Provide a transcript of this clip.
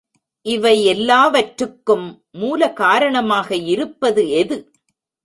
இவை எல்லாவற்றுக்கும் மூல காரணமாக இருப்பது எது?